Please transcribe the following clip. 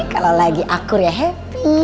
kalau lagi akur ya happ